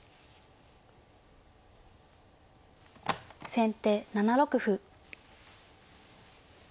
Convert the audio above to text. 先手７六歩。